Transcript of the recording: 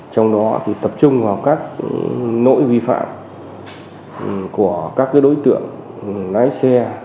trong đó thì tập trung vào các nỗi vi phạm của các đối tượng lái xe